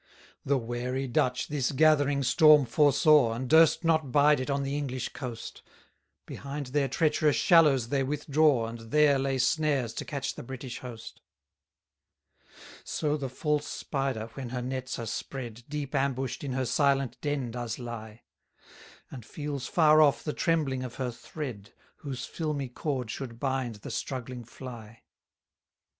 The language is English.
179 The wary Dutch this gathering storm foresaw, And durst not bide it on the English coast: Behind their treacherous shallows they withdraw, And there lay snares to catch the British host. 180 So the false spider, when her nets are spread, Deep ambush'd in her silent den does lie: And feels far off the trembling of her thread, Whose filmy cord should bind the struggling fly.